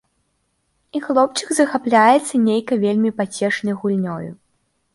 І хлопчык захапляецца нейкай вельмі пацешнай гульнёю.